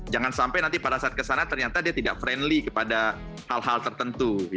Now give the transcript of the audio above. jangan sampai nanti pada saat kesana ternyata dia tidak friendly kepada hal hal tertentu